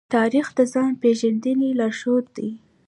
تاریخ د ځان پېژندنې لارښود دی.